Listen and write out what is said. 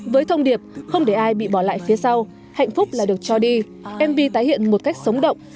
với thông điệp không để ai bị bỏ lại phía sau hạnh phúc là được cho đi mv tái hiện một cách sống động